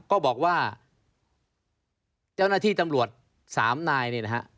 ก็บอกว่าเจ้าหน้าที่ตำรวจ๓นายเนี่ยนะฮะ